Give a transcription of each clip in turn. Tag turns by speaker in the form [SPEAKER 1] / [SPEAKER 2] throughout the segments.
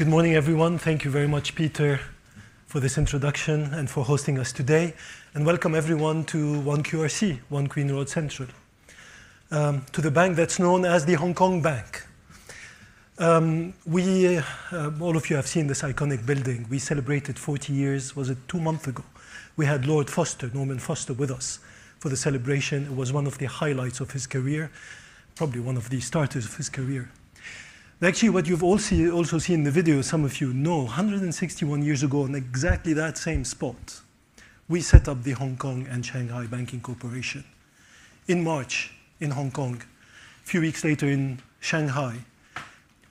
[SPEAKER 1] Good morning, everyone. Thank you very much, Peter, for this introduction and for hosting us today. Welcome everyone to One QRC, One Queen's Road Central, to the bank that's known as the Hong Kong Bank. All of you have seen this iconic building. We celebrated 40 years, was it two months ago. We had Lord Foster, Norman Foster, with us for the celebration. It was one of the highlights of his career, probably one of the starters of his career. Actually what you've also seen in the video, some of you know, 161 years ago, in exactly that same spot, we set up The Hongkong and Shanghai Banking Corporation. In March, in Hong Kong, a few weeks later in Shanghai,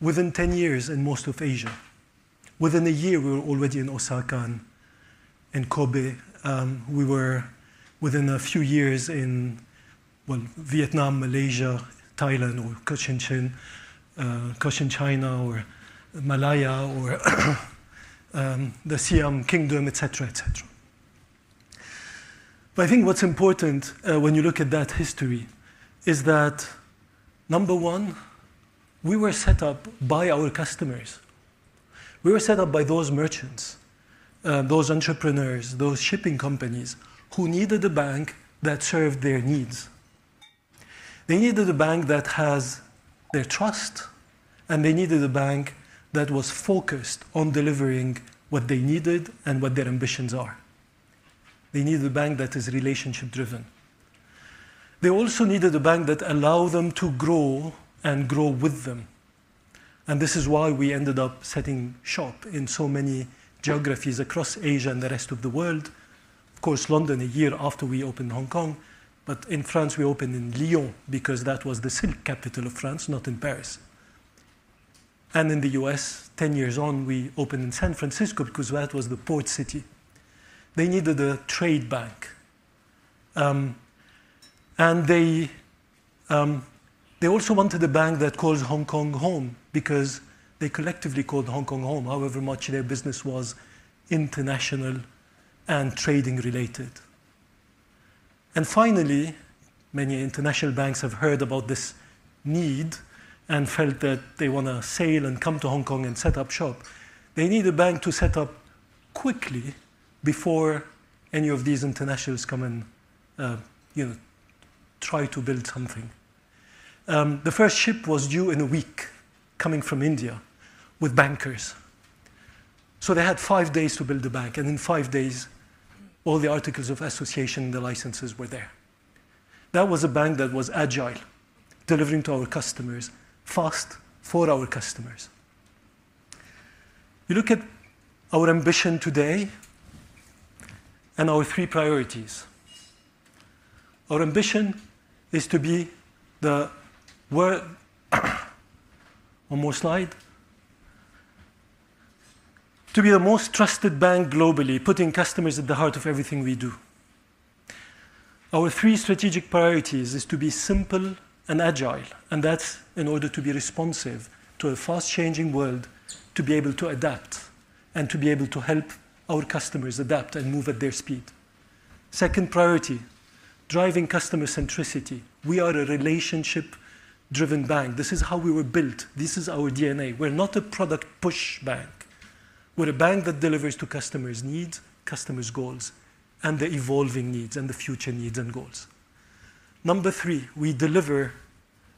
[SPEAKER 1] within 10 years in most of Asia, within one year, we were already in Osaka and Kobe. We were within a few years in Vietnam, Malaysia, Thailand, or Cochinchina, or Malaya, or the Siam Kingdom, et cetera. I think what's important when you look at that history is that, number one, we were set up by our customers. We were set up by those merchants, those entrepreneurs, those shipping companies who needed a bank that served their needs. They needed a bank that has their trust, and they needed a bank that was focused on delivering what they needed and what their ambitions are. They needed a bank that is relationship-driven. They also needed a bank that allow them to grow and grow with them. This is why we ended up setting shop in so many geographies across Asia and the rest of the world. London, a year after we opened Hong Kong, but in France, we opened in Lyon because that was the silk capital of France, not in Paris. In the U.S., 10 years on, we opened in San Francisco because that was the port city. They needed a trade bank. They also wanted a bank that calls Hong Kong home because they collectively called Hong Kong home, however much their business was international and trading-related. Finally, many international banks have heard about this need and felt that they want to sail and come to Hong Kong and set up shop. They need a bank to set up quickly before any of these internationals come and try to build something. The first ship was due in a week, coming from India, with bankers. They had five days to build the bank, and in five days, all the articles of association and the licenses were there. That was a bank that was agile, delivering to our customers fast for our customers. You look at our ambition today and our three priorities. Our ambition is to be the world one more slide. To be the most trusted bank globally, putting customers at the heart of everything we do. Our three strategic priorities is to be simple and agile, and that's in order to be responsive to a fast-changing world, to be able to adapt, and to be able to help our customers adapt and move at their speed. Second priority, driving customer centricity. We are a relationship-driven bank. This is how we were built. This is our DNA. We're not a product push bank. We're a bank that delivers to customers' needs, customers' goals, and their evolving needs and the future needs and goals. Number three, we deliver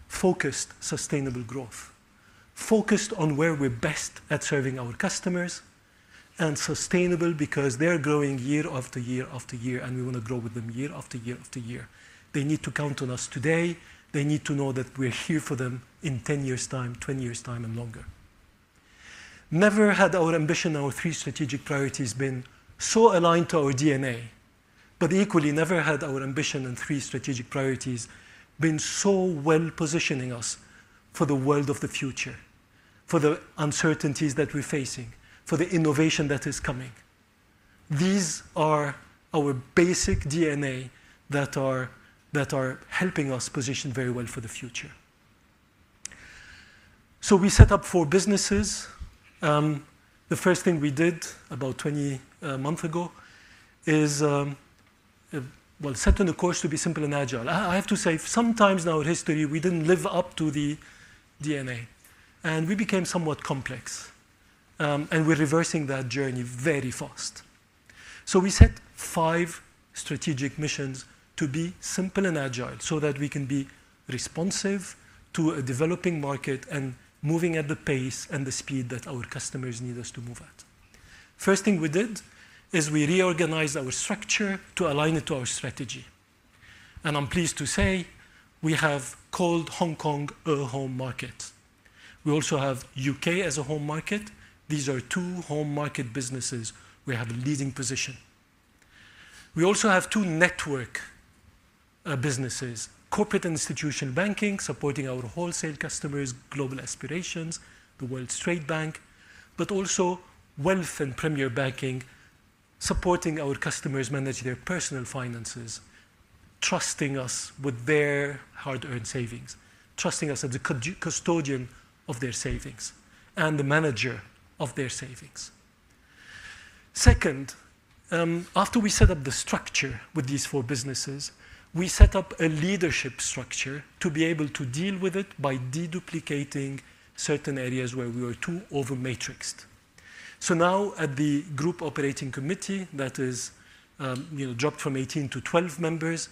[SPEAKER 1] focused, sustainable growth. Focused on where we're best at serving our customers, and sustainable because they're growing year after year after year, and we want to grow with them year after year after year. They need to count on us today. They need to know that we're here for them in 10 years' time, 20 years' time, and longer. Never had our ambition, our three strategic priorities, been so aligned to our DNA. Equally, never had our ambition and three strategic priorities been so well-positioning us for the world of the future, for the uncertainties that we're facing, for the innovation that is coming. These are our basic DNA that are helping us position very well for the future. We set up four businesses. The first thing we did about 20 months ago is, well, set on a course to be simple and agile. I have to say, sometimes in our history, we didn't live up to the DNA and we became somewhat complex. We're reversing that journey very fast. We set five strategic missions to be simple and agile so that we can be responsive to a developing market and moving at the pace and the speed that our customers need us to move at. First thing we did is we reorganized our structure to align it to our strategy. I'm pleased to say we have called Hong Kong a home market. We also have U.K. as a home market. These are two home market businesses where we have a leading position. We also have two network businesses, Corporate and Institution Banking, supporting our wholesale customers' global aspirations, the world trade bank. Also Wealth and Premier Banking, supporting our customers manage their personal finances, trusting us with their hard-earned savings, trusting us as a custodian of their savings and the manager of their savings. Second, after we set up the structure with these four businesses, we set up a leadership structure to be able to deal with it by de-duplicating certain areas where we were too over-matrixed. Now at the Group Operating Committee, that is dropped from 18 to 12 members,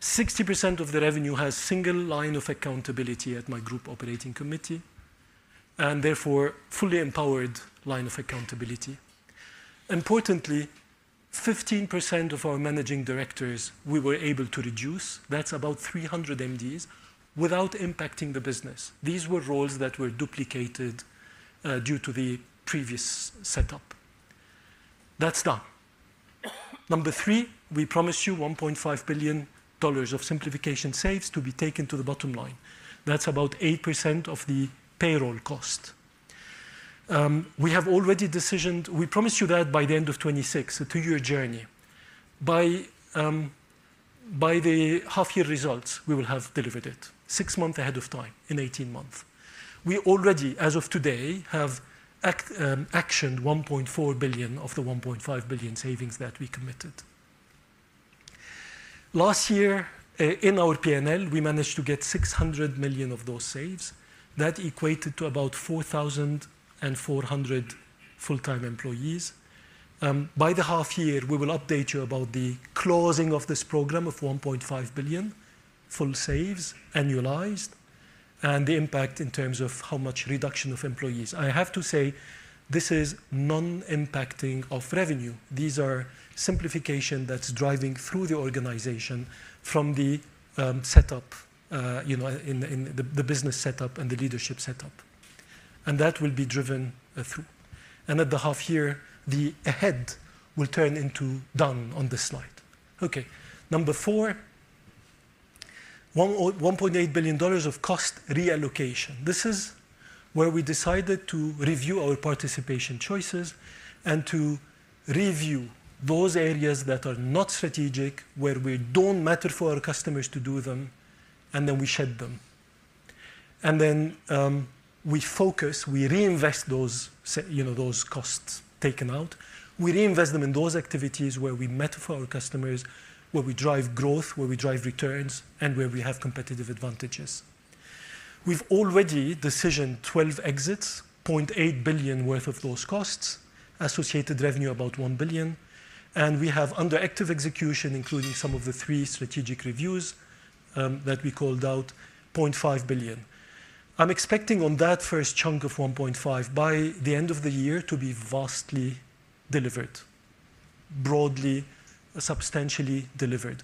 [SPEAKER 1] 60% of the revenue has single line of accountability at my Group Operating Committee, and therefore fully empowered line of accountability. Importantly, 15% of our Managing Directors, we were able to reduce. That's about 300 MDs without impacting the business. These were roles that were duplicated due to the previous setup. That's done. Number three, we promised you $1.5 billion of simplification saves to be taken to the bottom line. That's about 8% of the payroll cost. We promised you that by the end of 2026, a 2-year journey. By the half-year results, we will have delivered it six months ahead of time in 18 months. We already, as of today, have actioned $1.4 billion of the $1.5 billion savings that we committed. Last year, in our P&L, we managed to get $600 million of those saves. That equated to about 4,400 full-time employees. By the half-year, we will update you about the closing of this program of $1.5 billion full saves, annualized, and the impact in terms of how much reduction of employees. I have to say, this is non-impacting of revenue. These are simplification that's driving through the organization from the business setup and the leadership setup. That will be driven through. At the half-year, the ahead will turn into done on this slide. Okay. Number four, $1.8 billion of cost reallocation. This is where we decided to review our participation choices and to review those areas that are not strategic, where we don't matter for our customers to do them, and then we shed them. We focus, we reinvest those costs taken out. We reinvest them in those activities where we matter for our customers, where we drive growth, where we drive returns, and where we have competitive advantages. We've already decisioned 12 exits, $0.8 billion worth of those costs, associated revenue about $1 billion. We have under active execution, including some of the three strategic reviews that we called out, $0.5 billion. I'm expecting on that first chunk of $1.5, by the end of the year to be vastly delivered, broadly, substantially delivered.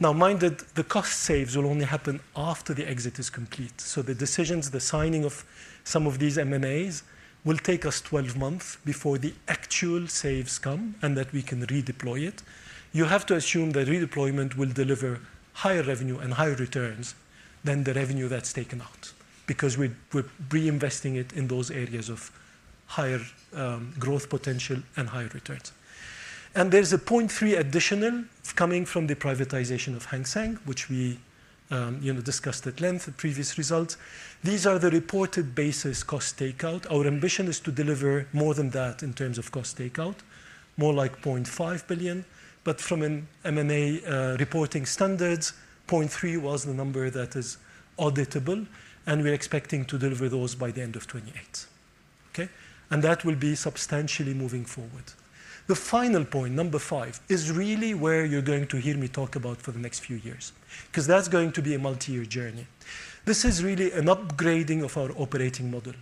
[SPEAKER 1] Mind that the cost saves will only happen after the exit is complete. The decisions, the signing of some of these M&As will take us 12 months before the actual saves come and that we can redeploy it. You have to assume that redeployment will deliver higher revenue and higher returns than the revenue that's taken out, because we're reinvesting it in those areas of higher growth potential and higher returns. There's a $0.3 additional coming from the privatization of Hang Seng, which we discussed at length at previous results. These are the reported basis cost takeout. Our ambition is to deliver more than that in terms of cost takeout, more like $0.5 billion. From an M&A reporting standards, 0.3 was the number that is auditable, and we're expecting to deliver those by the end of 2028. That will be substantially moving forward. The final point, Number five, is really where you're going to hear me talk about for the next few years, because that's going to be a multi-year journey. This is really an upgrading of our operating model.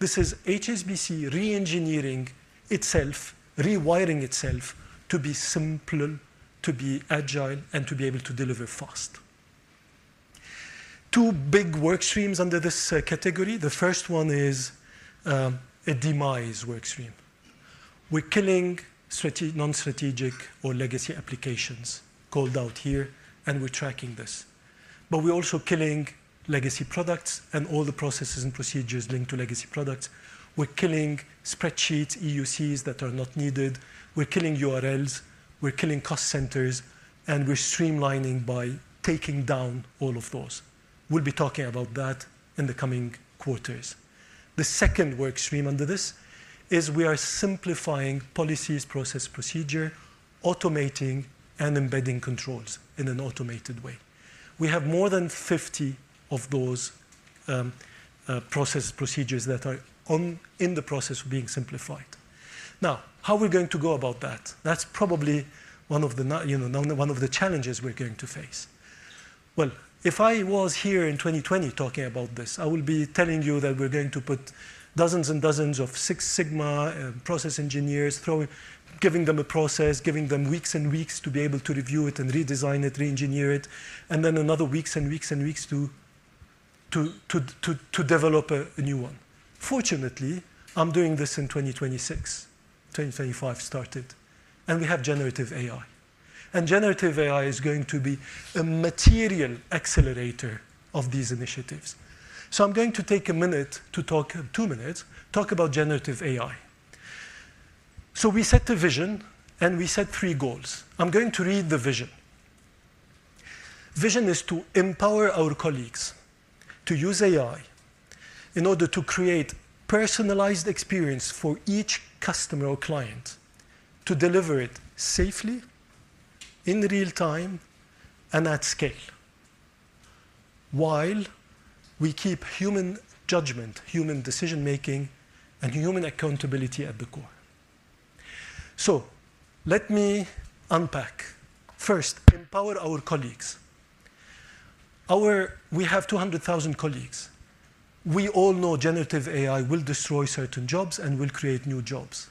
[SPEAKER 1] This is HSBC re-engineering itself, rewiring itself to be simpler, to be agile, and to be able to deliver fast. two big work streams under this category. The first one is a demise work stream. We're killing non-strategic or legacy applications called out here, and we're tracking this. We're also killing legacy products and all the processes and procedures linked to legacy products. We're killing spreadsheets, EUCs that are not needed. We're killing URLs, we're killing cost centers, and we're streamlining by taking down all of those. We'll be talking about that in the coming quarters. The second work stream under this is we are simplifying policies, process, procedure, automating and embedding controls in an automated way. We have more than 50 of those process procedures that are in the process of being simplified. Now, how are we going to go about that? That's probably one of the challenges we're going to face. Well, if I was here in 2020 talking about this, I would be telling you that we're going to put dozens and dozens of Six Sigma process engineers, giving them a process, giving them weeks and weeks to be able to review it and redesign it, re-engineer it, and then another weeks and weeks and weeks to develop a new one. Fortunately, I'm doing this in 2026, 2025 started, and we have generative AI. Generative AI is going to be a material accelerator of these initiatives. I'm going to take two minutes to talk about generative AI. We set a vision and we set three goals. I'm going to read the vision. Vision is to empower our colleagues to use AI in order to create personalized experience for each customer or client to deliver it safely, in real time, and at scale while we keep human judgment, human decision-making, and human accountability at the core. Let me unpack. First, empower our colleagues. We have 200,000 colleagues. We all know generative AI will destroy certain jobs and will create new jobs.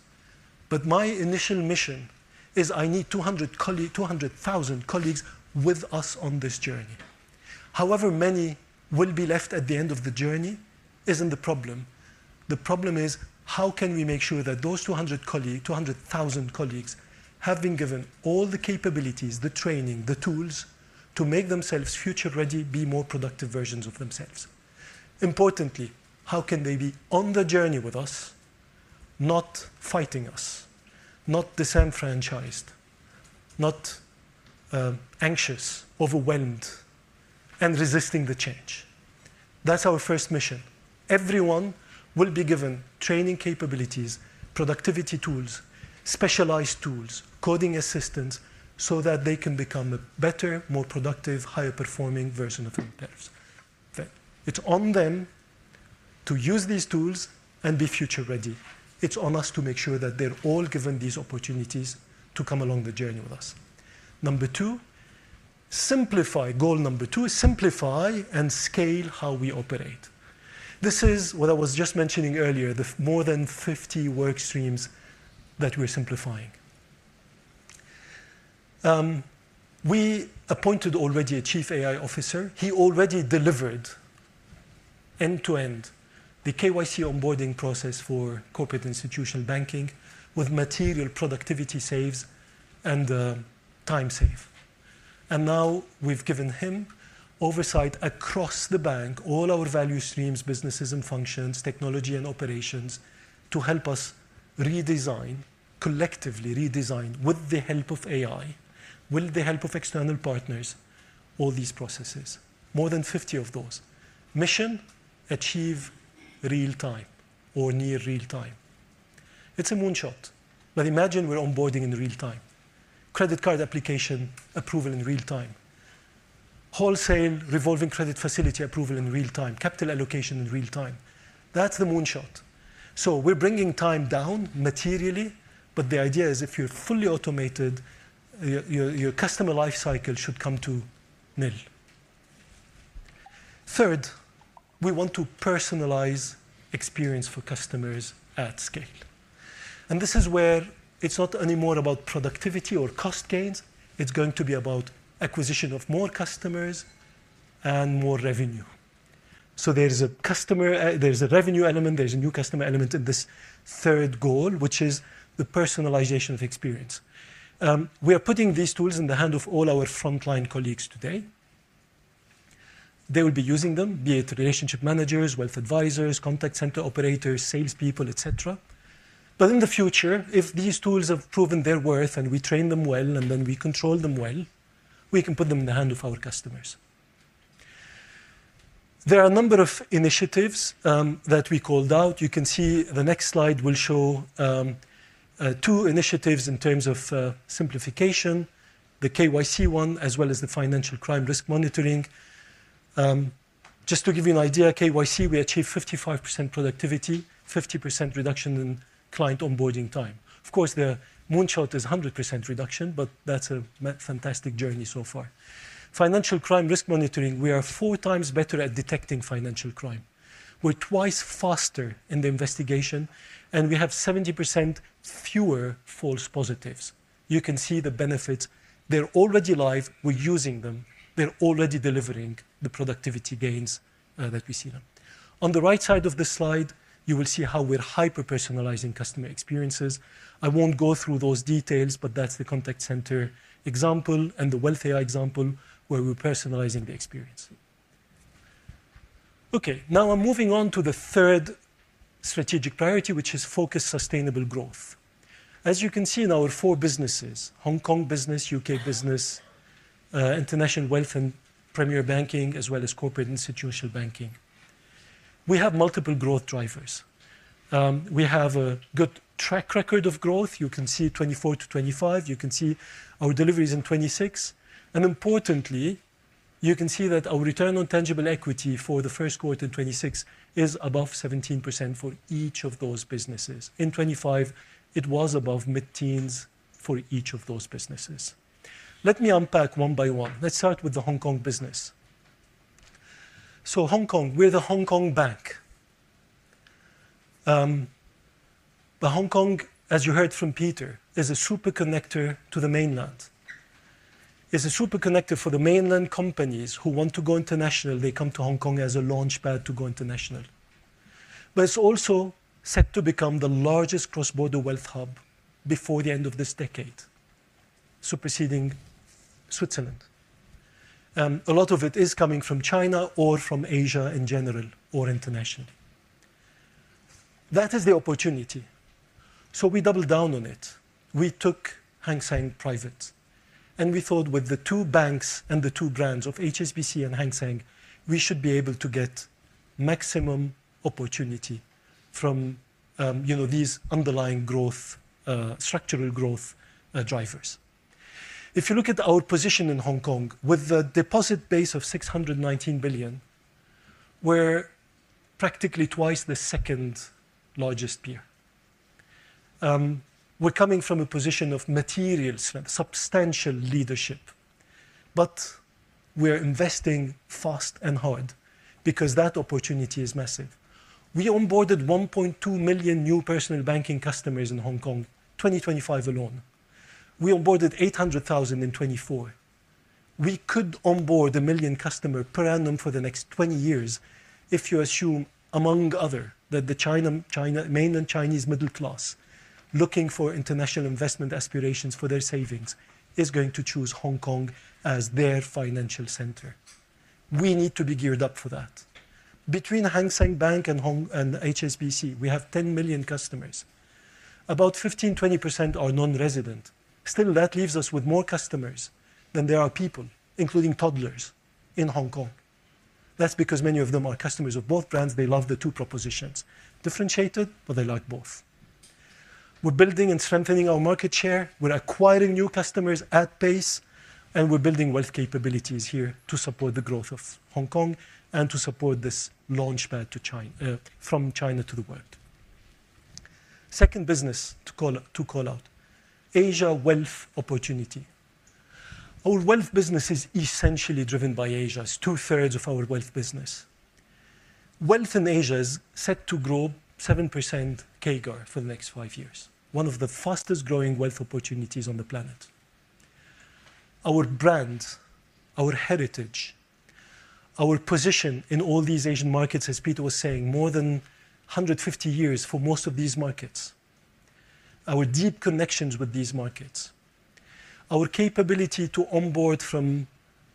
[SPEAKER 1] My initial mission is I need 200,000 colleagues with us on this journey. However many will be left at the end of the journey isn't the problem. The problem is how can we make sure that those 200,000 colleagues have been given all the capabilities, the training, the tools to make themselves future ready, be more productive versions of themselves. Importantly, how can they be on the journey with us, not fighting us, not disenfranchised, not anxious, overwhelmed, and resisting the change? That's our first mission. Everyone will be given training capabilities, productivity tools, specialized tools, coding assistance, so that they can become a better, more productive, higher-performing version of themselves. Okay. It's on them to use these tools and be future ready. It's on us to make sure that they're all given these opportunities to come along the journey with us. Number two, simplify. Goal number two, simplify and scale how we operate. This is what I was just mentioning earlier, the more than 50 work streams that we're simplifying. We appointed already a chief AI officer. He already delivered end-to-end the KYC onboarding process for corporate institution banking with material productivity saves and time save. Now we've given him oversight across the bank, all our value streams, businesses and functions, technology and operations to help us redesign, collectively redesign with the help of AI, with the help of external partners, all these processes. More than 50 of those. Mission, achieve real time or near real time. It's a moonshot, but imagine we're onboarding in real time. Credit card application approval in real time. Wholesale revolving credit facility approval in real time. Capital allocation in real time. That's the moonshot. We're bringing time down materially, but the idea is if you're fully automated, your customer life cycle should come to nil. Third, we want to personalize experience for customers at scale. This is where it's not anymore about productivity or cost gains, it's going to be about acquisition of more customers and more revenue. There's a revenue element, there's a new customer element in this third goal, which is the personalization of experience. We are putting these tools in the hand of all our frontline colleagues today. They will be using them, be it relationship managers, wealth advisors, contact center operators, salespeople, et cetera. In the future, if these tools have proven their worth and we train them well, and then we control them well, we can put them in the hand of our customers. There are a number of initiatives that we called out. You can see the next slide will show two initiatives in terms of simplification, the KYC one, as well as the financial crime risk monitoring. Just to give you an idea, KYC, we achieved 55% productivity, 50% reduction in client onboarding time. Of course, the moonshot is 100% reduction, but that's a fantastic journey so far. Financial crime risk monitoring, we are 4x better at detecting financial crime. We're 2x faster in the investigation, and we have 70% fewer false positives. You can see the benefits. They're already live. We're using them. They're already delivering the productivity gains that we see now. On the right side of the slide, you will see how we're hyper-personalizing customer experiences. I won't go through those details, but that's the contact center example and the Wealth AI example where we're personalizing the experience. Okay. Now I'm moving on to the third strategic priority, which is focused sustainable growth. As you can see in our four businesses, Hong Kong business, U.K. business, international wealth and premier banking, as well as Corporate Institutional Banking, we have multiple growth drivers. We have a good track record of growth. You can see 2024-2025. You can see our deliveries in 2026. Importantly, you can see that our return on tangible equity for the first quarter 2026 is above 17% for each of those businesses. In 2025, it was above mid-teens for each of those businesses. Let me unpack one by one. Let's start with the Hong Kong business. Hong Kong, we're the Hong Kong Bank. Hong Kong, as you heard from Peter, is a super connector to the mainland, is a super connector for the mainland companies who want to go international. They come to Hong Kong as a launchpad to go international. It's also set to become the largest cross-border wealth hub before the end of this decade, superseding Switzerland. A lot of it is coming from China or from Asia in general or internationally. That is the opportunity, we doubled down on it. We took Hang Seng private, and we thought with the two banks and the two brands of HSBC and Hang Seng, we should be able to get maximum opportunity from these underlying structural growth drivers. If you look at our position in Hong Kong, with a deposit base of 619 billion, we're practically twice the second-largest peer. We're coming from a position of material, substantial leadership. We're investing fast and hard because that opportunity is massive. We onboarded 1.2 million new personal banking customers in Hong Kong, 2025 alone. We onboarded 800,000 in 2024. We could onboard 1 million customers per annum for the next 20 years if you assume, among other, that the mainland Chinese middle class looking for international investment aspirations for their savings is going to choose Hong Kong as their financial center. We need to be geared up for that. Between Hang Seng Bank and HSBC, we have 10 million customers. About 15%-20% are non-resident. Still, that leaves us with more customers than there are people, including toddlers, in Hong Kong. That's because many of them are customers of both brands. They love the two propositions. Differentiated, but they like both. We're building and strengthening our market share, we're acquiring new customers at pace, and we're building wealth capabilities here to support the growth of Hong Kong and to support this launchpad from China to the world. Second business to call out, Asia wealth opportunity. Our wealth business is essentially driven by Asia. It's two-thirds of our wealth business. Wealth in Asia is set to grow 7% CAGR for the next five years, one of the fastest-growing wealth opportunities on the planet. Our brand, our heritage, our position in all these Asian markets, as Peter was saying, more than 150 years for most of these markets, our deep connections with these markets, our capability to onboard from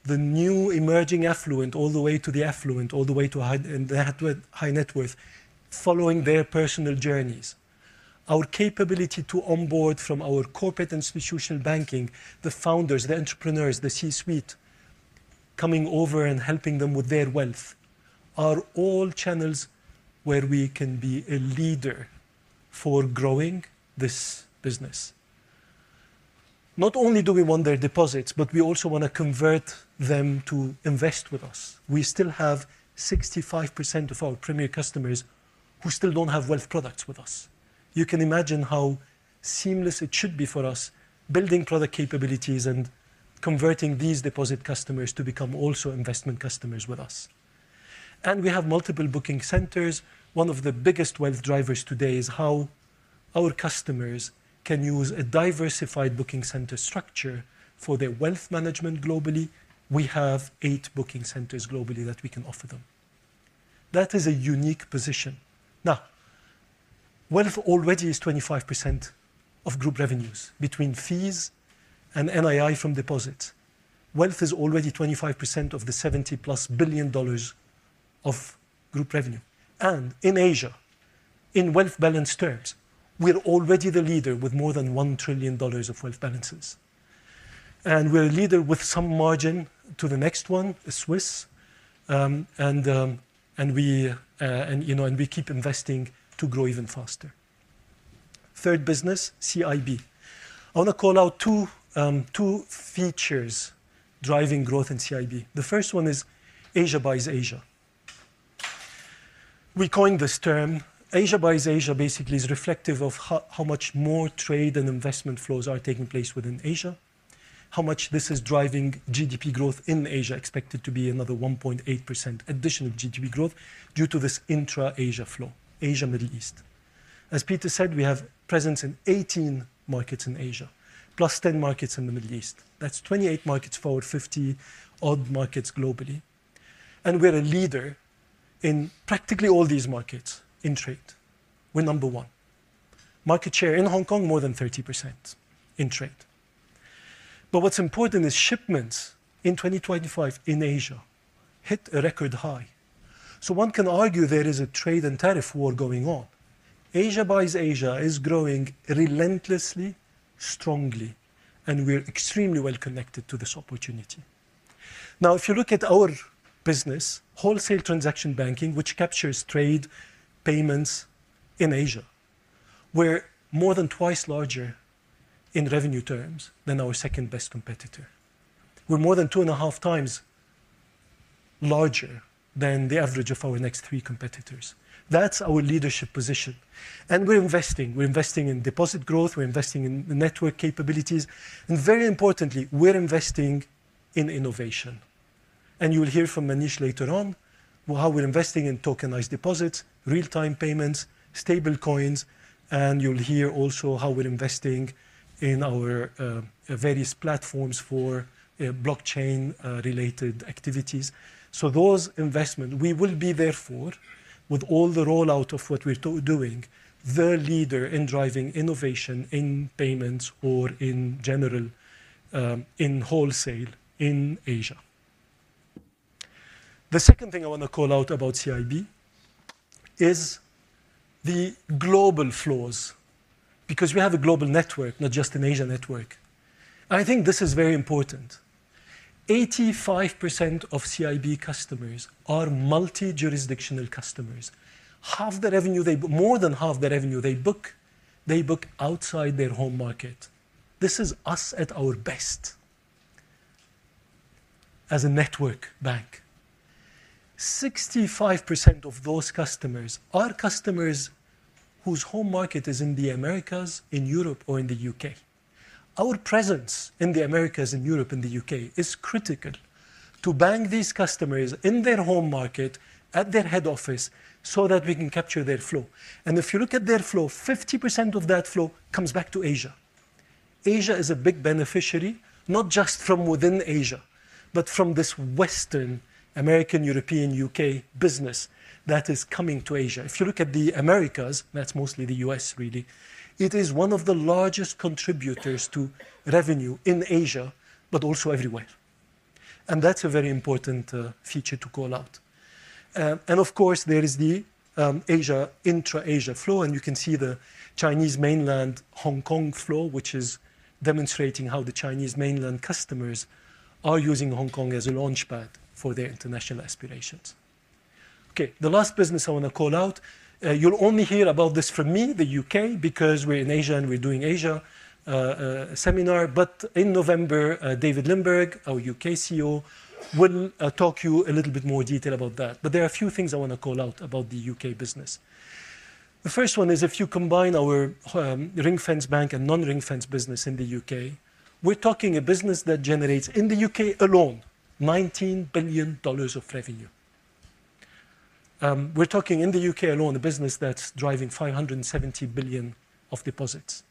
[SPEAKER 1] the new emerging affluent, all the way to the affluent, all the way to high net worth, following their personal journeys. Our capability to onboard from our corporate institutional banking, the founders, the entrepreneurs, the C-suite, coming over and helping them with their wealth are all channels where we can be a leader for growing this business. We also want to convert them to invest with us. We still have 65% of our premier customers who still don't have wealth products with us. You can imagine how seamless it should be for us building product capabilities and converting these deposit customers to become also investment customers with us. We have multiple booking centers. One of the biggest wealth drivers today is how our customers can use a diversified booking center structure for their wealth management globally. We have eight booking centers globally that we can offer them. That is a unique position. Now, wealth already is 25% of group revenues between fees and NII from deposits. Wealth is already 25% of the $70+ billion of group revenue. In Asia, in wealth balance terms, we're already the leader with more than $1 trillion of wealth balances. We're a leader with some margin to the next one, the Swiss, and we keep investing to grow even faster. Third business, CIB. I want to call out two features driving growth in CIB. The first one is Asia buys Asia. We coined this term. Asia buys Asia basically is reflective of how much more trade and investment flows are taking place within Asia, how much this is driving GDP growth in Asia, expected to be another 1.8% additional GDP growth due to this intra-Asia flow, Asia, Middle East. As Peter said, we have presence in 18 markets in Asia, +10 markets in the Middle East. That's 28 markets for our 50-odd markets globally, and we're a leader in practically all these markets in trade. We're number one. Market share in Hong Kong, more than 30% in trade. What's important is shipments in 2025 in Asia hit a record high. One can argue there is a trade and tariff war going on. Asia buys Asia is growing relentlessly, strongly, and we're extremely well connected to this opportunity. Now, if you look at our business, wholesale transaction banking, which captures trade payments in Asia, we're more than twice larger in revenue terms than our second-best competitor. We're more than 2.5x larger than the average of our next three competitors. That's our leadership position. We're investing. We're investing in deposit growth, we're investing in network capabilities, and very importantly, we're investing in innovation. You'll hear from Manish later on how we're investing in tokenized deposits, real-time payments, stablecoins, and you'll hear also how we're investing in our various platforms for blockchain-related activities. Those investments, we will be therefore, with all the rollout of what we're doing, the leader in driving innovation in payments or in general in wholesale in Asia. The second thing I want to call out about CIB is the global flows, because we have a global network, not just an Asia network. I think this is very important. 85% of CIB customers are multi-jurisdictional customers. More than half their revenue, they book outside their home market. This is us at our best as a network bank. 65% of those customers are customers whose home market is in the Americas, in Europe, or in the U.K. Our presence in the Americas, in Europe, in the U.K., is critical to bank these customers in their home market, at their head office, so that we can capture their flow. If you look at their flow, 50% of that flow comes back to Asia. Asia is a big beneficiary, not just from within Asia, but from this Western American, European, U.K. business that is coming to Asia. If you look at the Americas, that's mostly the U.S. really, it is one of the largest contributors to revenue in Asia, but also everywhere. That's a very important feature to call out. Of course, there is the intra-Asia flow, and you can see the Chinese mainland Hong Kong flow, which is demonstrating how the Chinese mainland customers are using Hong Kong as a launchpad for their international aspirations. Okay, the last business I want to call out, you'll only hear about this from me, the U.K., because we're in Asia, and we're doing Asia seminar. In November, David Lindberg, our U.K. CEO, will talk to you a little bit more in detail about that. There are a few things I want to call out about the U.K. business. The first one is if you combine our ring-fence bank and non-ring-fence business in the U.K., we're talking a business that generates, in the U.K. alone, $19 billion of revenue. We're talking in the U.K. alone, a business that's driving $570 billion of deposits.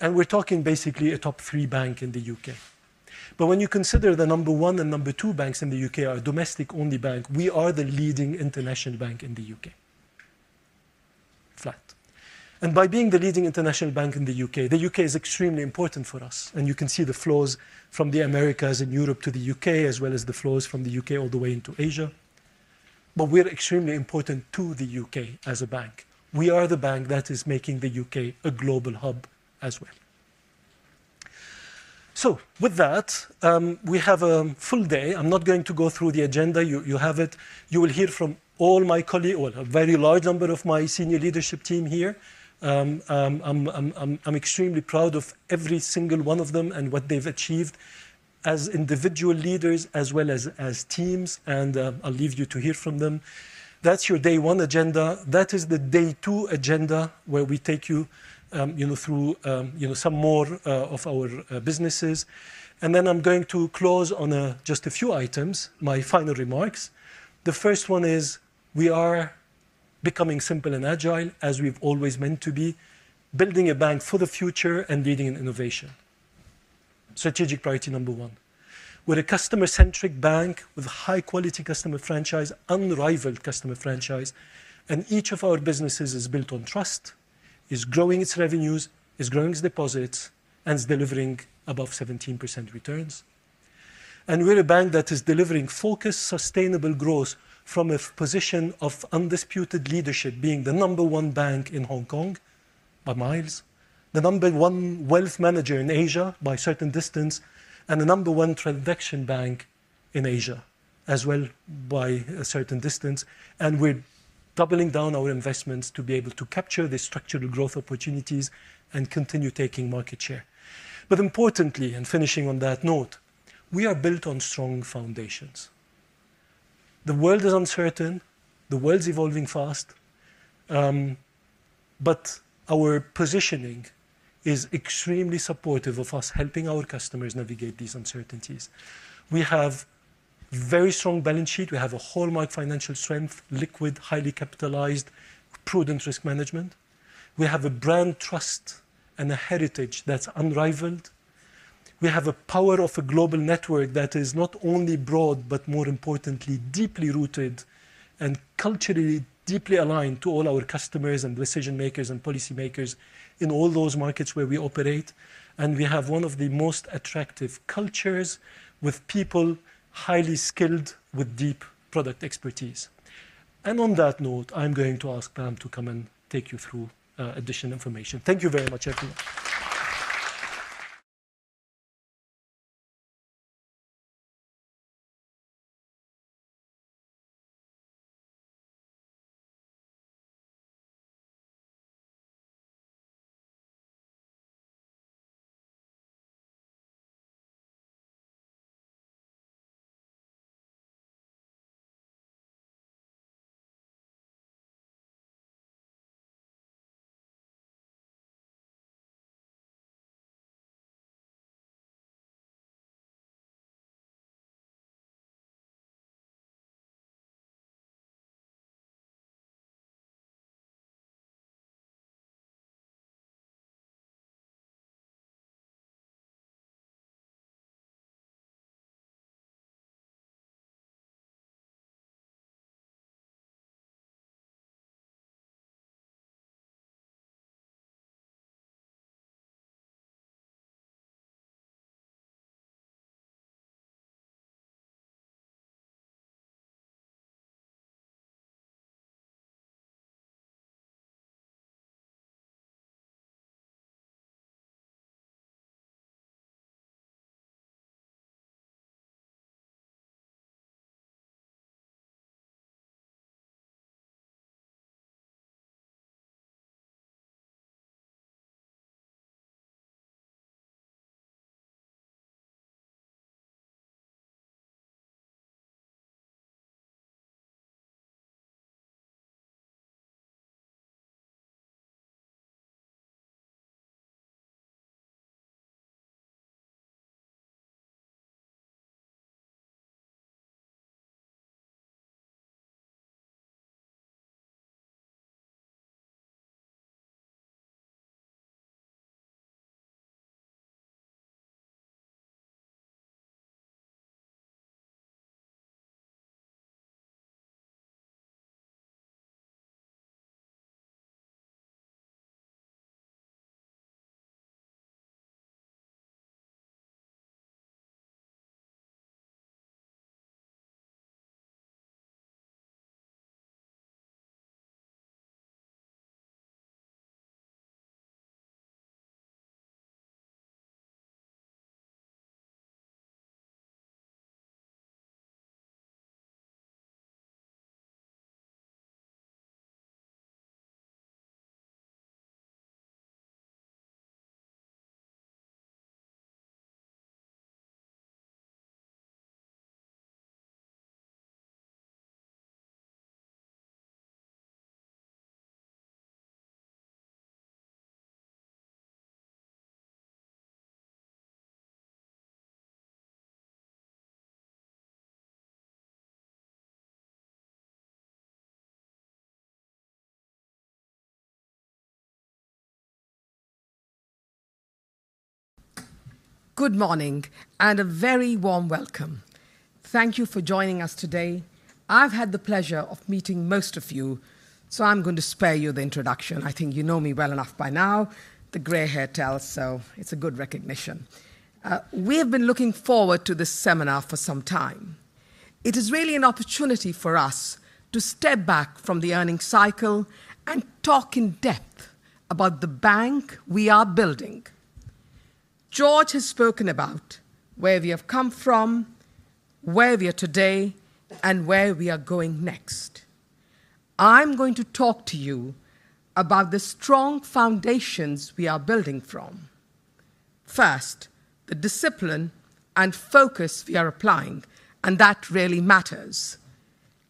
[SPEAKER 1] We're talking basically a top 3 bank in the U.K. When you consider the number 1 and number 2 banks in the U.K. are domestic-only bank, we are the leading international bank in the U.K. Flat. By being the leading international bank in the U.K., the U.K. is extremely important for us, and you can see the flows from the Americas and Europe to the U.K., as well as the flows from the U.K. all the way into Asia. We're extremely important to the U.K. as a bank. We are the bank that is making the U.K. a global hub as well. With that, we have a full day. I'm not going to go through the agenda. You have it. You will hear from all my colleagues, well, a very large number of my senior leadership team here. I'm extremely proud of every single one of them and what they've achieved as individual leaders as well as teams, and I'll leave you to hear from them. That's your day one agenda. That is the day two agenda where we take you through some more of our businesses. Then I'm going to close on just a few items, my final remarks. The first one is we are becoming simple and agile as we've always meant to be, building a bank for the future and leading in innovation. Strategic priority number one. We're a customer-centric bank with high-quality customer franchise, unrivaled customer franchise, and each of our businesses is built on trust, is growing its revenues, is growing its deposits, and is delivering above 17% returns. We're a bank that is delivering focused, sustainable growth from a position of undisputed leadership, being the number one bank in Hong Kong by miles, the number one wealth manager in Asia by a certain distance, and the number one transaction bank in Asia as well by a certain distance. We're doubling down our investments to be able to capture the structural growth opportunities and continue taking market share. Importantly, and finishing on that note, we are built on strong foundations. The world is uncertain. The world's evolving fast. Our positioning is extremely supportive of us helping our customers navigate these uncertainties. We have very strong balance sheet. We have a hallmark financial strength, liquid, highly capitalized, prudent risk management. We have a brand trust and a heritage that's unrivaled. We have a power of a global network that is not only broad, but more importantly, deeply rooted and culturally deeply aligned to all our customers and decision-makers and policy-makers in all those markets where we operate. We have one of the most attractive cultures with people, highly skilled, with deep product expertise. On that note, I'm going to ask Pam to come and take you through additional information. Thank you very much, everyone.
[SPEAKER 2] Good morning, and a very warm welcome. Thank you for joining us today. I've had the pleasure of meeting most of you, so I'm going to spare you the introduction. I think you know me well enough by now. The gray hair tells, so it's a good recognition. We have been looking forward to this seminar for some time. It is really an opportunity for us to step back from the earning cycle and talk in depth about the bank we are building. Georges has spoken about where we have come from, where we are today, and where we are going next. I'm going to talk to you about the strong foundations we are building from. First, the discipline and focus we are applying, and that really matters.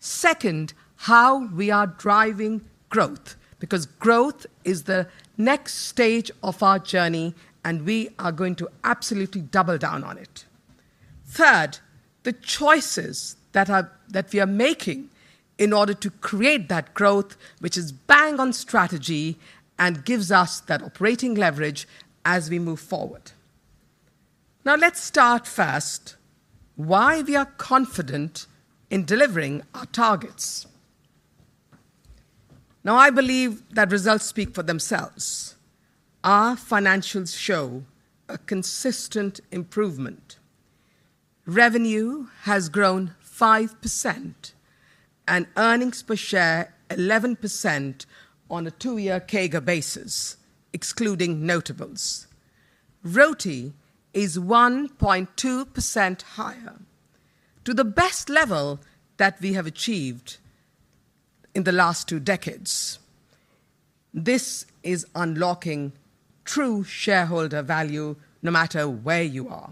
[SPEAKER 2] Second, how we are driving growth, because growth is the next stage of our journey, and we are going to absolutely double down on it. Third, the choices that we are making in order to create that growth, which is bang on strategy and gives us that operating leverage as we move forward. Now let's start first why we are confident in delivering our targets. Now, I believe that results speak for themselves. Our financials show a consistent improvement. Revenue has grown 5%, and earnings per share 11% on a two-year CAGR basis, excluding notables. RoTE is 1.2% higher, to the best level that we have achieved in the last two decades. This is unlocking true shareholder value no matter where you are.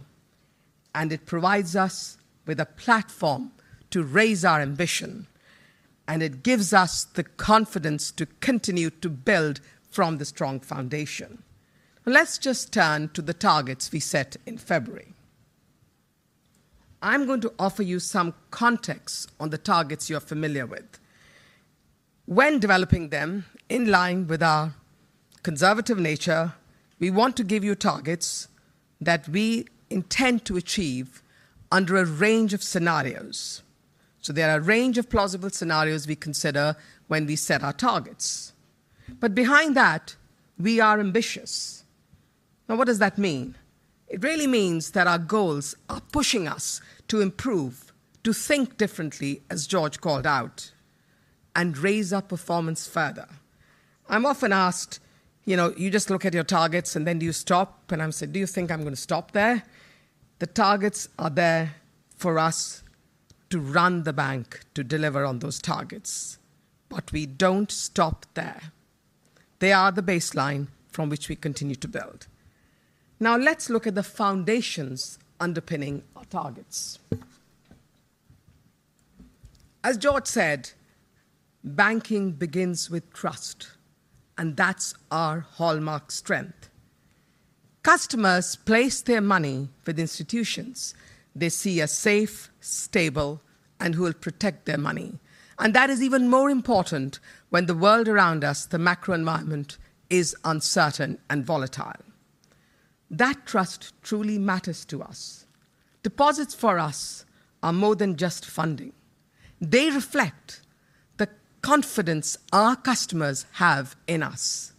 [SPEAKER 2] It provides us with a platform to raise our ambition, and it gives us the confidence to continue to build from the strong foundation. Let's just turn to the targets we set in February. I'm going to offer you some context on the targets you're familiar with. When developing them in line with our conservative nature, we want to give you targets that we intend to achieve under a range of scenarios. There are a range of plausible scenarios we consider when we set our targets. Behind that, we are ambitious. Now, what does that mean? It really means that our goals are pushing us to improve, to think differently as Georges called out, and raise our performance further. I'm often asked, "You just look at your targets, and then do you stop?" I said, "Do you think I'm going to stop there?" The targets are there for us to run the bank to deliver on those targets. We don't stop there. They are the baseline from which we continue to build. Let's look at the foundations underpinning our targets. As Georges said, banking begins with trust, and that's our hallmark strength. Customers place their money with institutions they see as safe, stable, and who will protect their money. That is even more important when the world around us, the macro environment, is uncertain and volatile. That trust truly matters to us. Deposits for us are more than just funding. They reflect the confidence our customers have in us,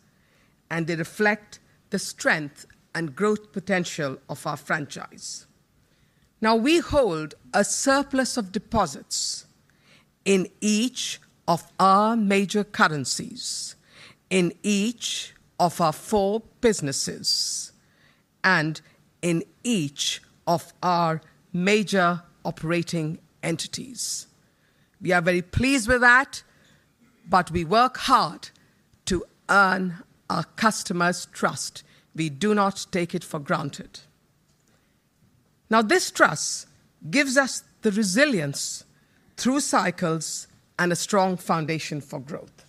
[SPEAKER 2] and they reflect the strength and growth potential of our franchise. We hold a surplus of deposits in each of our major currencies, in each of our four businesses, and in each of our major operating entities. We are very pleased with that, but we work hard to earn our customers' trust. We do not take it for granted. This trust gives us the resilience through cycles and a strong foundation for growth.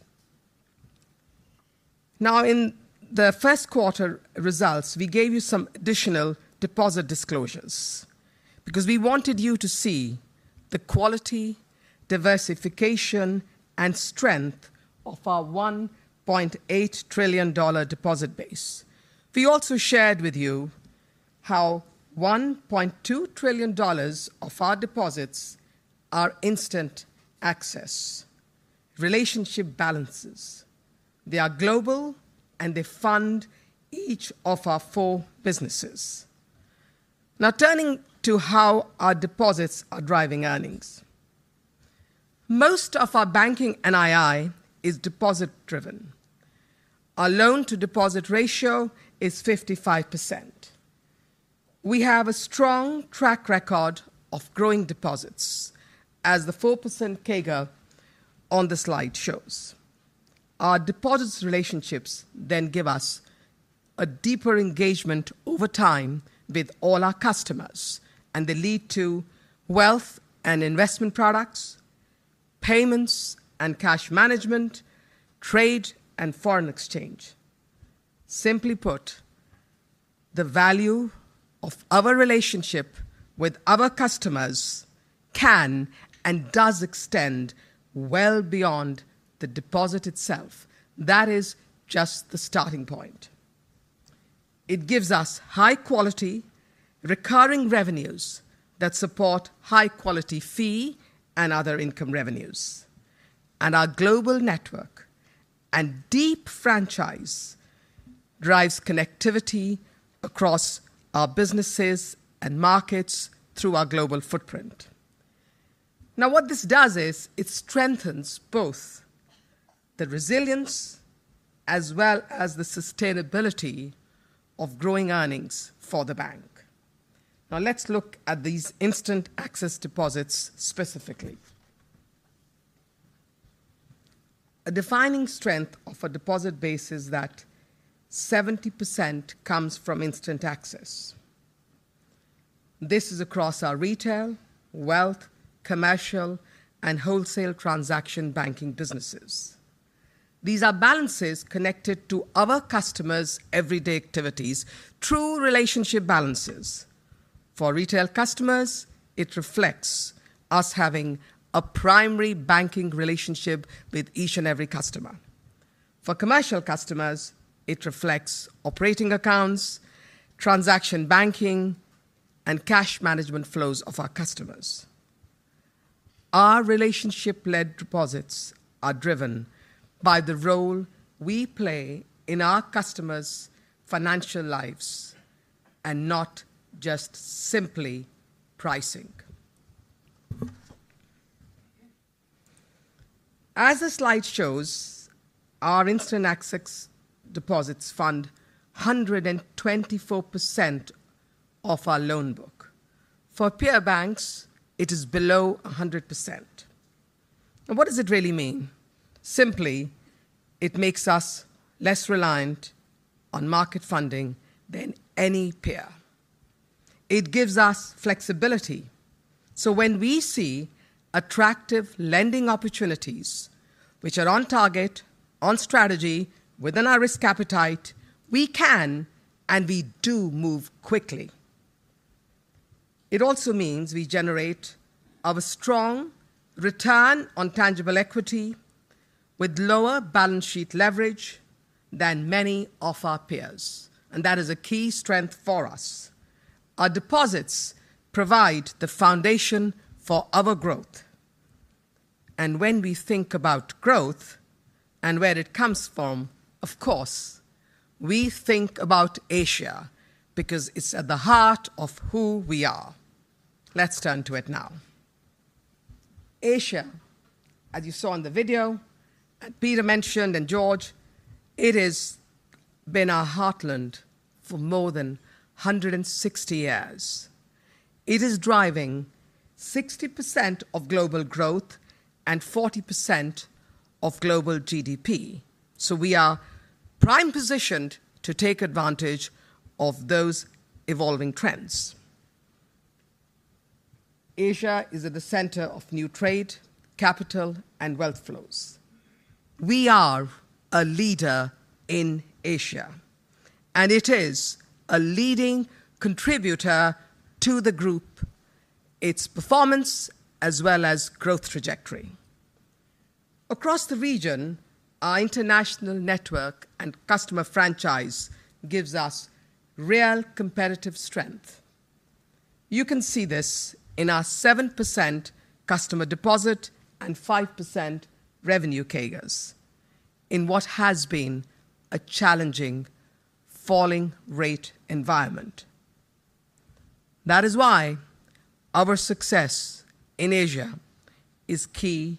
[SPEAKER 2] In the first quarter results, we gave you some additional deposit disclosures because we wanted you to see the quality, diversification, and strength of our $1.8 trillion deposit base. We also shared with you how $1.2 trillion of our deposits are instant access. Relationship balances. They are global, and they fund each of our four businesses. Turning to how our deposits are driving earnings. Most of our banking NII is deposit driven. Our loan-to-deposit ratio is 55%. We have a strong track record of growing deposits as the 4% CAGR on the slide shows. Our deposits relationships then give us a deeper engagement over time with all our customers, and they lead to wealth and investment products, payments and cash management, trade, and foreign exchange. Simply put, the value of our relationship with our customers can and does extend well beyond the deposit itself. That is just the starting point. It gives us high-quality recurring revenues that support high-quality fee and other income revenues. Our global network and deep franchise drives connectivity across our businesses and markets through our global footprint. What this does is it strengthens both the resilience as well as the sustainability of growing earnings for the bank. Let's look at these instant access deposits specifically. A defining strength of a deposit base is that 70% comes from instant access. This is across our retail, wealth, commercial, and wholesale transaction banking businesses. These are balances connected to our customers' everyday activities, true relationship balances. For retail customers, it reflects us having a primary banking relationship with each and every customer. For commercial customers, it reflects operating accounts, transaction banking, and cash management flows of our customers. Our relationship-led deposits are driven by the role we play in our customers' financial lives and not just simply pricing. As the slide shows, our instant access deposits fund 124% of our loan book. For peer banks, it is below 100%. What does it really mean? Simply, it makes us less reliant on market funding than any peer. It gives us flexibility. When we see attractive lending opportunities which are on target, on strategy, within our risk appetite, we can and we do move quickly. It also means we generate our strong return on tangible equity with lower balance sheet leverage than many of our peers, and that is a key strength for us. Our deposits provide the foundation for our growth. When we think about growth and where it comes from, of course, we think about Asia because it's at the heart of who we are. Let's turn to it now. Asia, as you saw in the video, and Peter mentioned, and Georges, it has been our heartland for more than 160 years. It is driving 60% of global growth and 40% of global GDP. We are prime positioned to take advantage of those evolving trends. Asia is at the center of new trade, capital, and wealth flows. We are a leader in Asia, and it is a leading contributor to the group, its performance, as well as growth trajectory. Across the region, our international network and customer franchise gives us real competitive strength. You can see this in our 7% customer deposit and 5% revenue CAGRs in what has been a challenging falling rate environment. That is why our success in Asia is key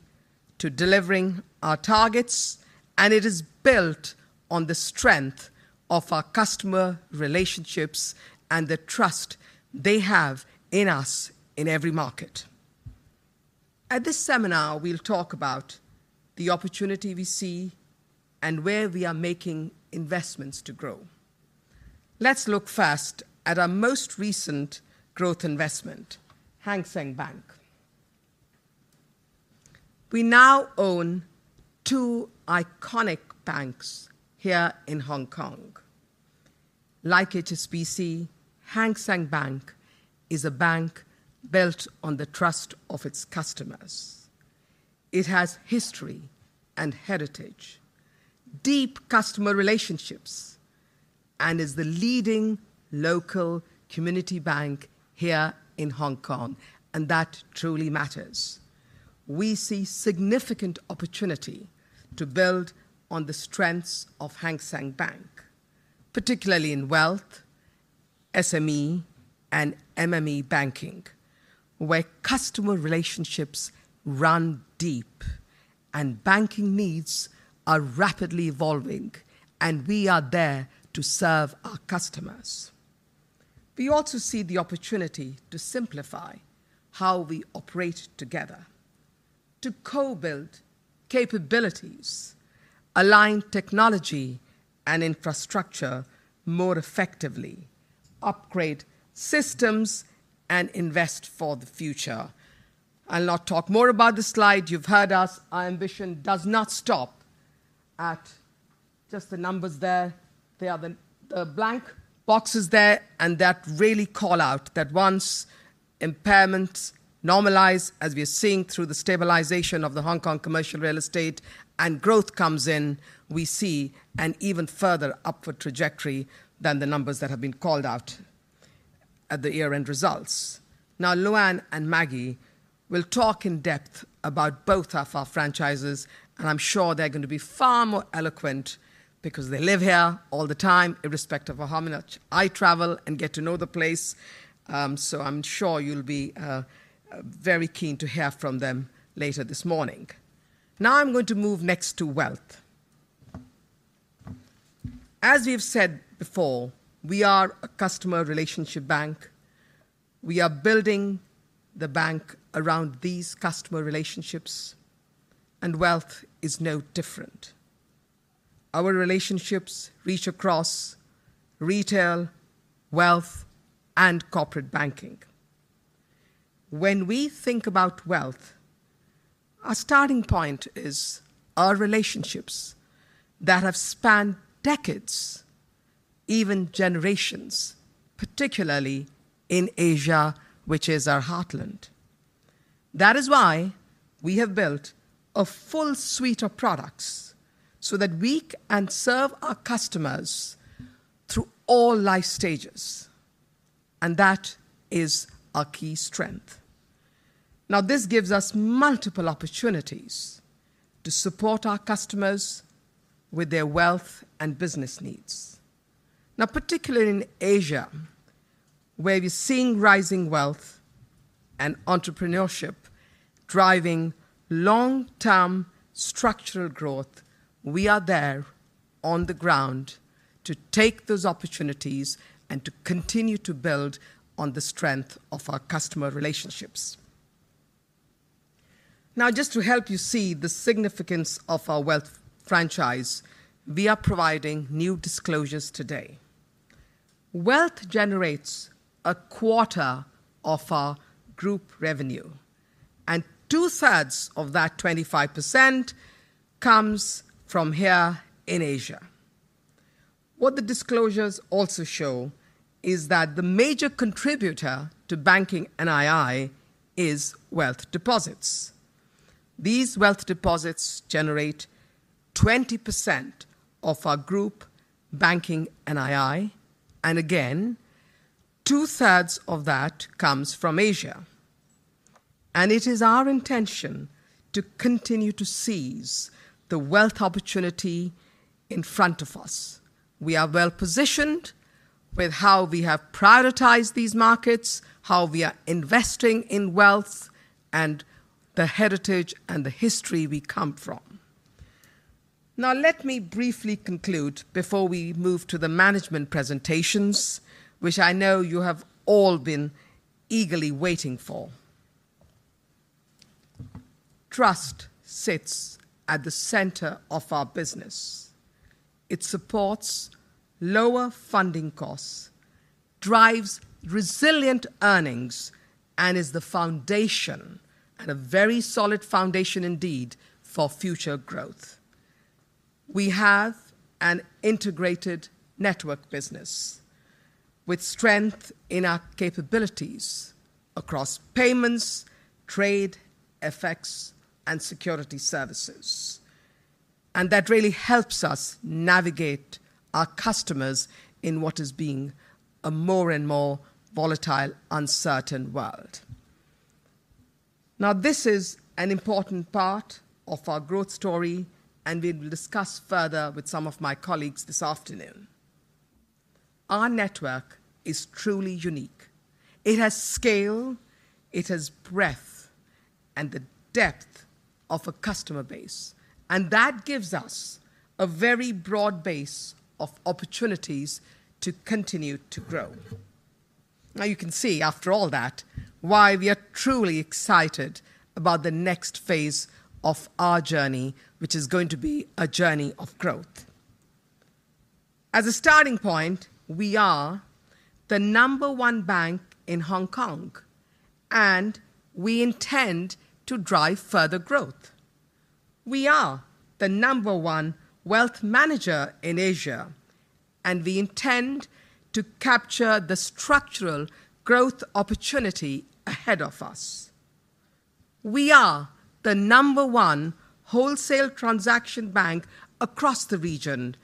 [SPEAKER 2] to delivering our targets, and it is built on the strength of our customer relationships and the trust they have in us in every market. At this seminar, we'll talk about the opportunity we see and where we are making investments to grow. Let's look first at our most recent growth investment, Hang Seng Bank. We now own two iconic banks here in Hong Kong. Like HSBC, Hang Seng Bank is a bank built on the trust of its customers. It has history and heritage, deep customer relationships, and is the leading local community bank here in Hong Kong, and that truly matters. We see significant opportunity to build on the strengths of Hang Seng Bank, particularly in wealth, SME, and MME banking, where customer relationships run deep and banking needs are rapidly evolving, and we are there to serve our customers. We also see the opportunity to simplify how we operate together, to co-build capabilities, align technology and infrastructure more effectively, upgrade systems, and invest for the future. I'll not talk more about this slide. You've heard us. Our ambition does not stop at just the numbers there. There are the blank boxes there and that really call out that once impairments normalize, as we are seeing through the stabilization of the Hong Kong commercial real estate, and growth comes in, we see an even further upward trajectory than the numbers that have been called out at the year-end results. Now, Luanne and Maggie will talk in depth about both of our franchises, and I'm sure they're going to be far more eloquent because they live here all the time, irrespective of how much I travel and get to know the place. I'm sure you'll be very keen to hear from them later this morning. Now I'm going to move next to wealth. As we've said before, we are a customer relationship bank. We are building the bank around these customer relationships, and wealth is no different. Our relationships reach across retail, wealth, and corporate banking. When we think about wealth, our starting point is our relationships that have spanned decades, even generations, particularly in Asia, which is our heartland. That is why we have built a full suite of products so that we can serve our customers through all life stages, and that is our key strength. Now, this gives us multiple opportunities to support our customers with their wealth and business needs. Now, particularly in Asia, where we're seeing rising wealth and entrepreneurship driving long-term structural growth, we are there on the ground to take those opportunities and to continue to build on the strength of our customer relationships. Now, just to help you see the significance of our wealth franchise, we are providing new disclosures today. Wealth generates a quarter of our group revenue, and two-thirds of that 25% comes from here in Asia. What the disclosures also show is that the major contributor to banking NII is wealth deposits. These wealth deposits generate 20% of our group banking NII, and again, two-thirds of that comes from Asia. It is our intention to continue to seize the wealth opportunity in front of us. We are well-positioned with how we have prioritized these markets, how we are investing in wealth, and the heritage and the history we come from. Let me briefly conclude before we move to the management presentations, which I know you have all been eagerly waiting for. Trust sits at the center of our business. It supports lower funding costs, drives resilient earnings, and is the foundation, and a very solid foundation indeed, for future growth. We have an integrated network business with strength in our capabilities across payments, trade, FX, and security services. That really helps us navigate our customers in what is being a more and more volatile, uncertain world. This is an important part of our growth story, and we will discuss further with some of my colleagues this afternoon. Our network is truly unique. It has scale, it has breadth, and the depth of a customer base. That gives us a very broad base of opportunities to continue to grow. Now you can see after all that, why we are truly excited about the next phase of our journey, which is going to be a journey of growth. As a starting point, we are the number one bank in Hong Kong, and we intend to drive further growth. We are the number one wealth manager in Asia, and we intend to capture the structural growth opportunity ahead of us. We are the number one wholesale transaction bank across the region,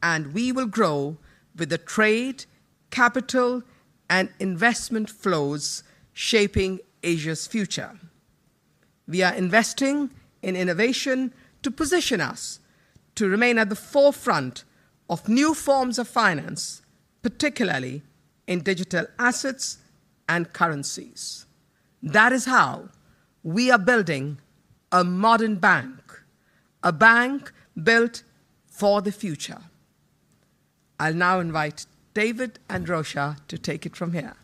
[SPEAKER 2] and we will grow with the trade, capital, and investment flows shaping Asia's future. We are investing in innovation to position us to remain at the forefront of new forms of finance, particularly in digital assets and currencies. That is how we are building a modern bank, a bank built for the future. I'll now invite David and Rosha to take it from here